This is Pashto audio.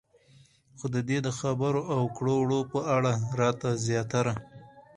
خو د دې د خبرو او کړو وړو په اړه راته زياتره